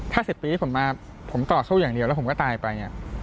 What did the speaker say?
ถ้า๑๐ปีที่ผมมาผมต่อสู้อย่างเดียวแล้วผมก็ตายไป